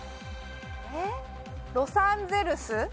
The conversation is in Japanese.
えっロサンゼルス。